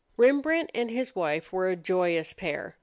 Rembrandt and his wife were a joyous pair.